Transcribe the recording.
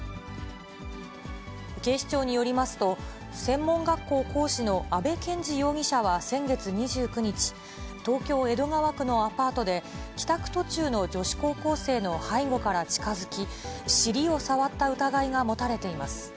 警視庁によりますと、専門学校講師の阿部賢治容疑者は先月２９日、東京・江戸川区のアパートで、帰宅途中の女子高校生の背後から近づき、尻を触った疑いが持たれています。